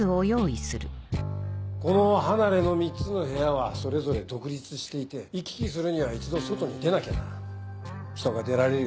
この離れの３つの部屋はそれぞれ独立していて行き来するには一度外に出なきゃならん。